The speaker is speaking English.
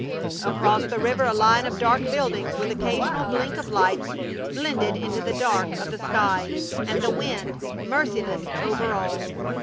Across the river a line of dark buildings with occasional blink of lights blended into the dark of the sky, and the wind merciless over all.